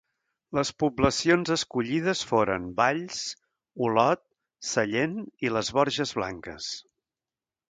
Les poblacions escollides foren Valls, Olot, Sallent i les Borges Blanques.